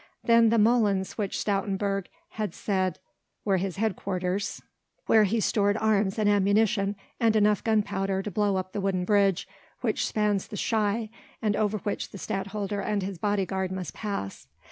Then the molens which Stoutenburg had said were his headquarters, where he stored arms and ammunition and enough gunpowder to blow up the wooden bridge which spans the Schie and over which the Stadtholder and his bodyguard must pass.